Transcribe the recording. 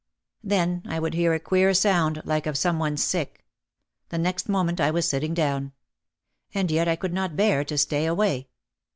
Then I would hear a queer sound like of some one sick. The next moment I was sitting down. And yet I could not bear to stay away.